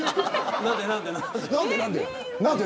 何で。